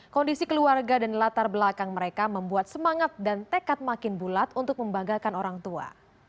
kondisi keluarga dan latar belakang mereka membuat semangat dan tekad makin bulat untuk membanggakan orang tua